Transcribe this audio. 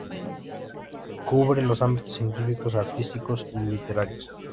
Cubre los ámbitos científicos, artísticos y literarios.